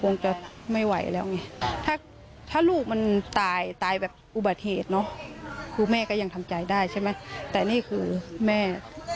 เนาะคือแม่ก็ยังทำจ่ายได้ใช่ไหมแต่นี่คือแม่